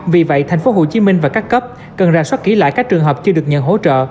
vì vậy tp hcm và các cấp cần rà soát kỹ lại các trường hợp chưa được nhận hỗ trợ